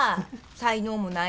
才能もないのに。